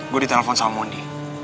gue ditelepon sama mundi